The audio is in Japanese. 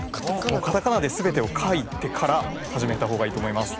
カタカナで全てを書いてから始めた方がいいと思います。